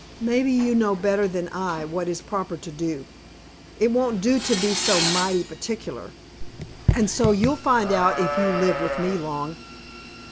"Maybe you know better than I what is proper to do. It won't do to be so mighty particular, and so you'll find out if you live with me long."